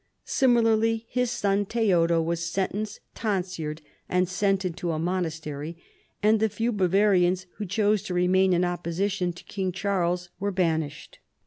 Simi larly his son Theodo was sentenced, tonsured, and sent into a monastery, and the few Bavarians Avho chose to remain in opposition to King Charles were banished."